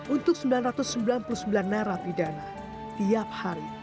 untuk sembilan ratus sembilan puluh sembilan narapidana